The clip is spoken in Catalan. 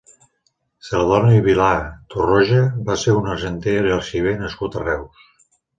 Celedoni Vilà Torroja va ser un argenter i arxiver nascut a Reus.